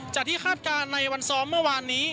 ที่คาดการณ์ในวันซ้อมเมื่อวานนี้